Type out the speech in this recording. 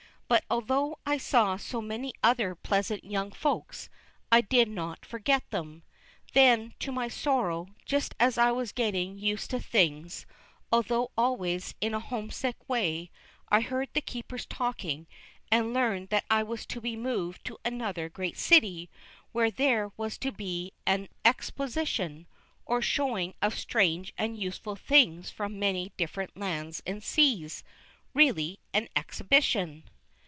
But although I saw so many other pleasant young Folks, I did not forget them. Then, to my sorrow, just as I was getting used to things, although always in a homesick way, I heard the keepers talking, and learned that I was to be moved to another great city, where there was to be an "exposition," or a showing of strange and useful things from many different lands and seas, really an "exhibition."